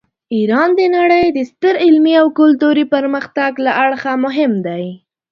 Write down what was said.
ایران د نړۍ د ستر علمي او کلتوري پرمختګ له اړخه مهم دی.